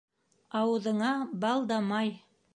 Ауыҙыңа бал да май.